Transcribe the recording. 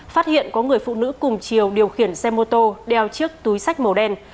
phát hiện có người phụ nữ cùng chiều điều khiển xe mô tô đeo chiếc túi sách màu đen